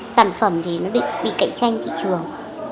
sản phẩm thì nó bị cạnh tranh thị trường